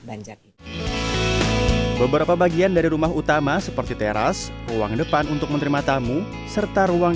banjak beberapa bagian dari rumah utama seperti teras ruang depan untuk menerima tamu serta ruang